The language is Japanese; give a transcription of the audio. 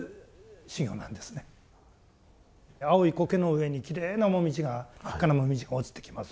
青い苔の上にきれいな紅葉が真っ赤な紅葉が落ちてきます。